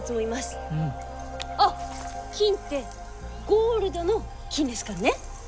あっキンってゴールドの金ですからね。